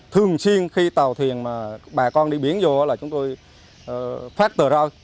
thường xuyên khi tàu thuyền mà bà con đi biển vô là chúng tôi phát tờ rơi